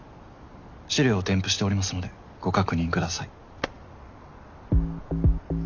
資料を添付しておりますのでご確認ください」。